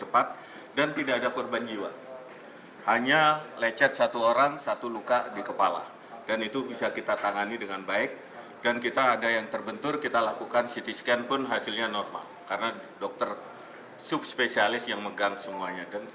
pertama pasien yang tersebut tidak terdampak di ruang instalasi gawat darurat